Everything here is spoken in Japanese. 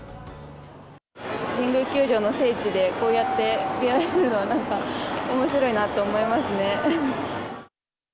神宮球場の聖地で、こうやって見られるのはなんかおもしろいなと思いますね。